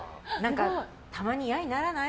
たまに嫌にならない？